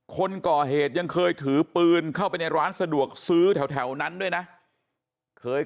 คนก่อเหตุยังเคยถือปืนเข้าไปในร้านสะดวกซื้อแถวนั้นด้วยนะเคย